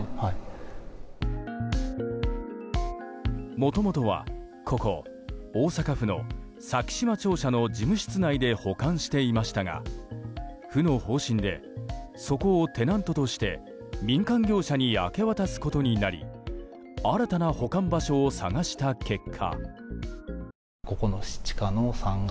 もともとはここ、大阪府の咲洲庁舎の事務室内で保管していましたが府の方針でそこをテナントとして民間業者に明け渡すことになり新たな保管場所を探した結果。